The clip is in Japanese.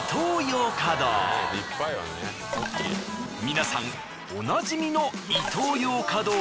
皆さんおなじみのイトー